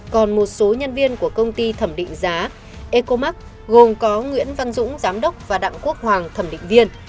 còn một số nhân viên của công ty thẩm định giá ecomax gồm có nguyễn văn dũng giám đốc và đặng quốc hoàng thẩm định viên